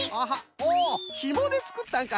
おおひもでつくったんか。